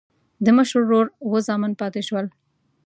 د مشر ورور اووه زامن پاتې شول.